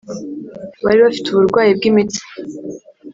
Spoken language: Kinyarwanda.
babiri bafite uburwayi bw'imitsi